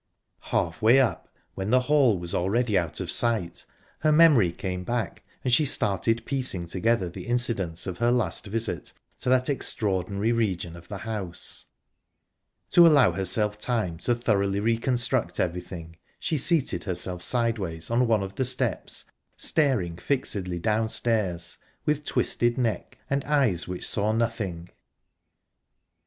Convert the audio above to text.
Halfway up, when the hall was already out of sight, her memory came back and she started piecing together the incidents of her last visit to that extraordinary region of the house. To allow herself time to thoroughly reconstruct everything, she seated herself sideways on one of the steps, staring fixedly downstairs, with twisted neck and eyes which saw nothing...